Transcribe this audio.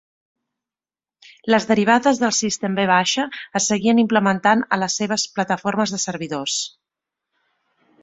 Les derivades del System V es seguien implementant a les seves plataformes de servidors.